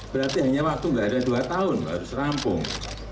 berarti hanya waktu nggak ada dua tahun harus rampung